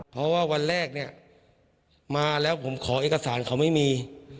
เพราะว่าวันแรกเนี่ยมาแล้วผมขอเอกสารเขาไม่มี